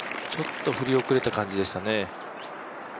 ちょっと振り遅れた感じでしたね。